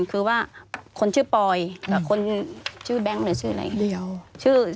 คือว่าคนชื่อปอยกับคนชื่อแบงค์หรือชื่ออะไร